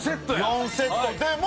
４セットでも。